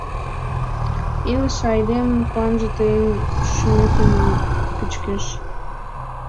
Илыше айдемын куанже тыйын шӱметым пӱчкеш...